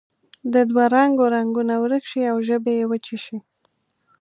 د دوه رنګو رنګونه ورک شي او ژبې یې وچې شي.